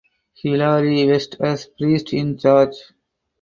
Hillary West as priest in charge.